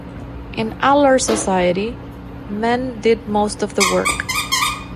In Alur society men did most of the work.